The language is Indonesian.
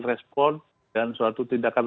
respon dan suatu tindakan